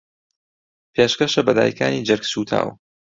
پێشکەشە بە دایکانی جەرگسووتاو